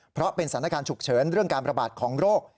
เพราะเป็นสถานการณ์ฉุกเฉินเรื่องการประบาดของโรค